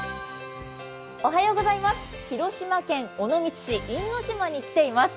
広島県尾道市因島に来ています。